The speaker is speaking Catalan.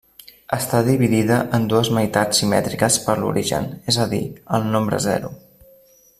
Està dividida en dues meitats simètriques per l'origen, és a dir, el nombre zero.